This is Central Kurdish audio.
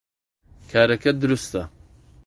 کارەکەت دروستە